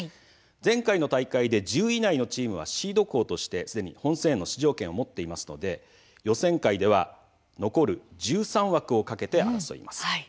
前回の大会で１０位以内のチームはシード校としてすでに本選への出場権を持っていますので予選会では残る１３枠を懸けて争います。